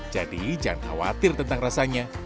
jadi jangan khawatir tentang rasanya